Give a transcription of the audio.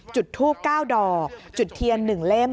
จุดทูบ๙ดอกจุดเทียน๑เล่ม